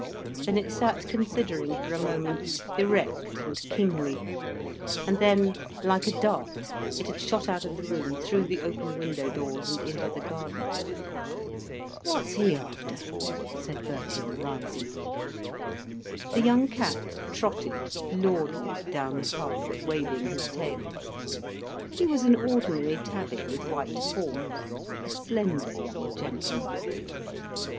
Then it sat considering for a moment, erect and kingly. And then, like a dart, it had shot out of the room, through the open window doors, and into the garden. "What's he after?" said Birkin, rising. The young cat trotted lordly down the path, waving his tail. He was an ordinary tabby with white paws, a slender young gentleman.